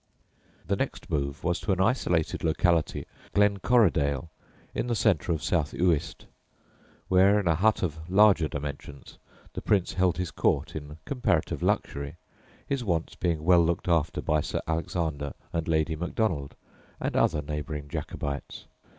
The next move was to an isolated locality named Glencorodale, in the centre of South Uist, where in a hut of larger dimensions the Prince held his court in comparative luxury, his wants being well looked after by Sir Alexander and Lady Macdonald and other neighbouring Jacobites.